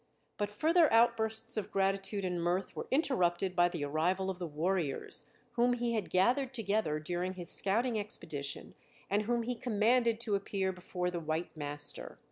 But further outbursts of gratitude and mirth were interrupted by the arrival of the warriors, whom he had gathered together during his scouting expedition and whom he commanded to appear before the white master.